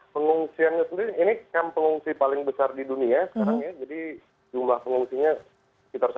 pengungsiannya sendiri ini yang pengungsi paling besar di dunia sekarang ya